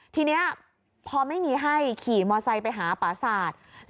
ทีนี้พอไม่มีให้ขี่มอไซค์ไปหาปราศาสตร์